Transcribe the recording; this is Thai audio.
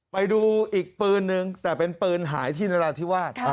ไปดูอีกปืนนึงแต่เป็นปืนหายที่นราธิวาส